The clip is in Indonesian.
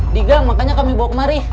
digang makanya kami bawa kemari